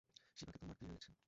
শিবাকে তো মারতেই রয়েছে।